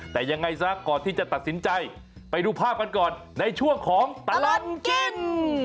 แต่ยังไงซะก่อนที่จะตัดสินใจไปดูภาพกันก่อนในช่วงของตลอดกิน